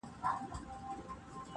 پاچهي لکه حباب نه وېشل کیږي-